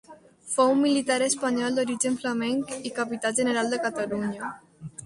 Fou un militar espanyol d'origen flamenc i capità general de Catalunya.